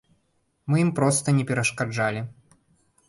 Мы ім проста не перашкаджалі.